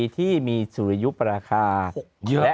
จำง่ายคือ